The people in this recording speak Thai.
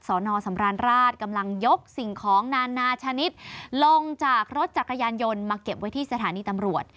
สอนอสำราญราชกำลังยกสิ่งของนานาชนิดลงจากรถจักรยานยนต์มาเก็บไว้ที่สถานีตำรวจ